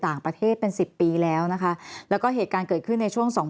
ต่างประเทศเป็นสิบปีแล้วนะคะแล้วก็เหตุการณ์เกิดขึ้นในช่วงสอง